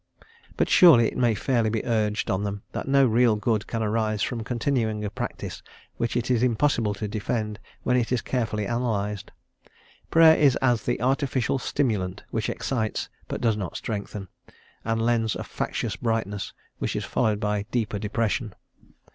But surely it may fairly be urged on them that no real good can arise from continuing a practice which it is impossible to defend when it is carefully analysed. Prayer is as the artificial stimulant which excites, but does not strengthen, and lends a factitious brightness, which is followed by deeper depression.